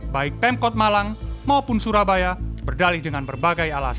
baik pemkot malang maupun surabaya berdalih dengan berbagai alasan